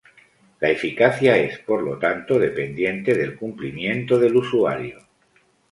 La eficacia es, por lo tanto, dependiente del cumplimiento del usuario.